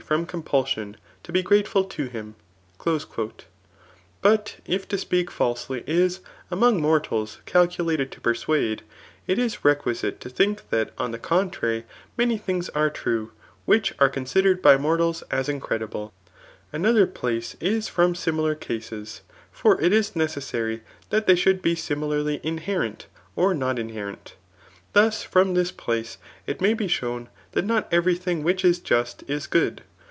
from compulsion, to be grateful to him.*' But if to speak falsely is, among mor tals, calculated to persuade, it is requisite to think that on the contrary many things are true, which are consi dered by mortals as incrediblev Another place is from similar cases ; for it is necessary that they should be amilarly inherent, or not inherent Thus from this place it may be shovm that not every thing which is just is good.